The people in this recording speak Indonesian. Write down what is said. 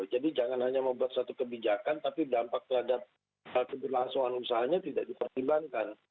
jadi jangan hanya membuat satu kebijakan tapi dampak terhadap keberlangsungan usahanya tidak dipertimbangkan